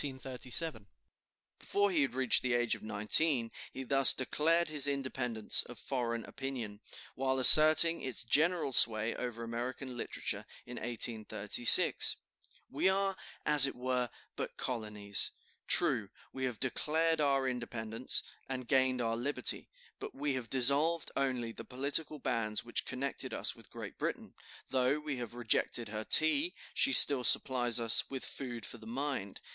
Before he had reached the age of nineteen he thus declared his independence of foreign opinion, while asserting its general sway over American literature, in 1836: "We are, as it were, but colonies. True, we have declared our independence, and gained our liberty, but we have dissolved only the political bands which connected us with Great Britain; though we have rejected her tea, she still supplies us with food for the mind.